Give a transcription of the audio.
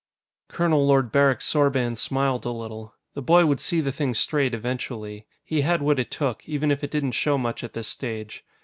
Colonel Lord Barrick Sorban smiled a little. The boy would see the thing straight eventually. He had what it took, even if it didn't show much at this stage.